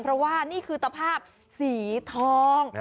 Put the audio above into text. เพราะว่านี่คือตภาพสีทอง